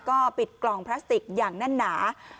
ก็ปิดกล่องพลาสติกอย่างแน่นหนา